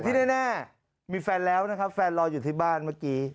แน่มีแฟนแล้วนะครับแฟนรออยู่ที่บ้านเมื่อกี้